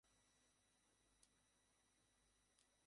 ভিলেনের মতো কাটা ভ্রু আছে।